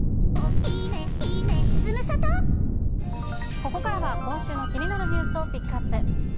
ここからは今週の気になるニュースをピックアップ。